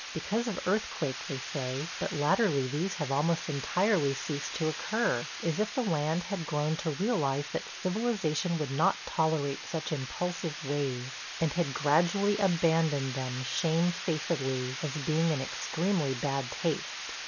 Because of earthquake they say; but latterly these have almost entirely ceased to occur, as if the land had grown to realize that civilization would not tolerate such impulsive ways, and had gradually abandoned them shamefacedly, as being in extremely bad taste.